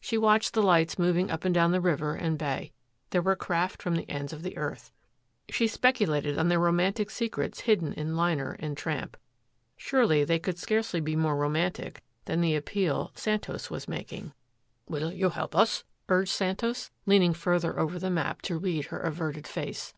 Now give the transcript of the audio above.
She watched the lights moving up and down the river and bay. There were craft from the ends of the earth. She speculated on the romantic secrets hidden in liner and tramp. Surely they could scarcely be more romantic than the appeal Santos was making. "Will you help us?" urged Santos, leaning further over the map to read her averted face.